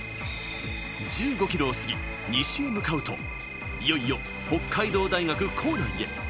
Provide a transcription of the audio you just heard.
１５キロを過ぎ、西へ向かうと、いよいよ北海道大学構内へ。